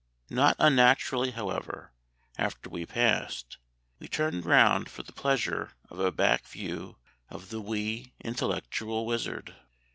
Not unnaturally, however, after we passed, we turned round for the pleasure of a back view of the wee, intellectual wizard.